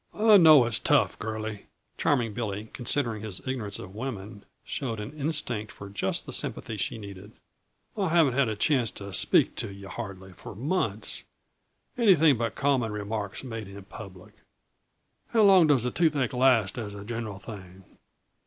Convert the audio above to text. "I know it's tough, girlie." Charming Billy, considering his ignorance of women, showed an instinct for just the sympathy she needed. "I haven't had a chance to speak to yuh, hardly, for months anything but common remarks made in public. How long does the toothache last as a general thing?"